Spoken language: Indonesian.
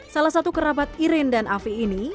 salah satu kerabat irin dan afi ini